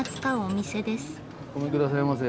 ごめん下さいませ。